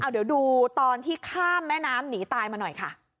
เดี๋ยวดูตอนที่ข้ามแม่น้ำหนีตาย